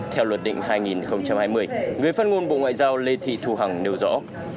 theo luật định hai nghìn hai mươi người phát ngôn bộ ngoại giao lê thị thu hằng nêu rõ